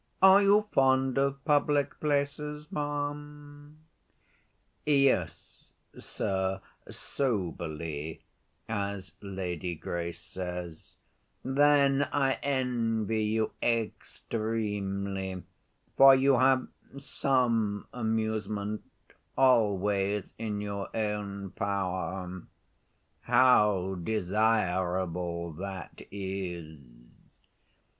Are you fond of public places, ma'am?" "Yes, sir, soberly, as Lady Grace says." "Then I envy you extremely, for you have some amusement always in your own power. How desirable that is!"